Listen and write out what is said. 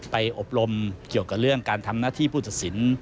ไปอบรมเกี่ยวกับเรื่องการทำหน้าที่ภูตศิลป์